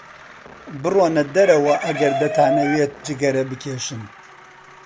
بڕۆنە دەرەوە ئەگەر دەتانەوێت جگەرە بکێشن.